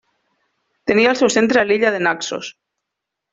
Tenia el seu centre a l'illa de Naxos.